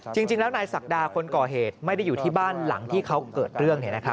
จริงแล้วนายศักดาคนก่อเหตุไม่ได้อยู่ที่บ้านหลังที่เขาเกิดเรื่อง